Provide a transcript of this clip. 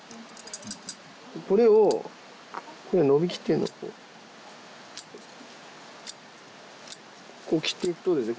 これを伸びきってるのをこうこう切っていくとですね